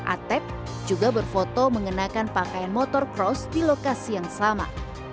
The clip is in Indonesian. atep juga berfoto mengenakan pakaian motor cross di lokasi yang sama